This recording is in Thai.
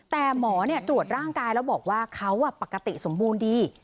แต่หมอตรวจร่างกายแล้วบอกว่าเขาปกติสมบูรณ์ดี